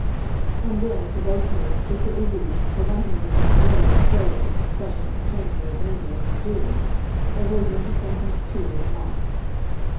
And then, to both men's secret relief, for Bunting was now mortally afraid of this discussion concerning The Avenger and his doings, they heard Mrs. Bunting's key in the lock.